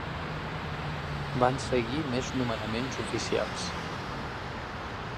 Van seguir més nomenaments oficials.